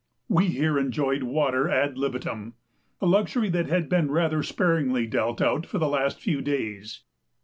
We here enjoyed water ad libitum, a luxury that had been rather sparingly dealt out for the last few days.